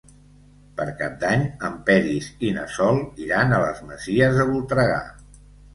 Per Cap d'Any en Peris i na Sol iran a les Masies de Voltregà.